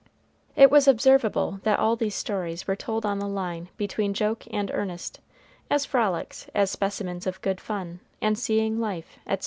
It was observable that all these stories were told on the line between joke and earnest, as frolics, as specimens of good fun, and seeing life, etc.